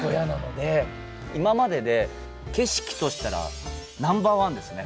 今までで景色としたらナンバーワンですね